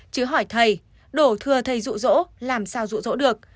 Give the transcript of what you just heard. chứ hỏi thầy đổ thừa thầy rụ rỗ làm sao rụ rỗ được